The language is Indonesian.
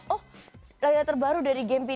oh layar terbaru dari gempi